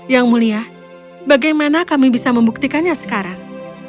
yang mulia bagaimana kami bisa membuktikannya sekarang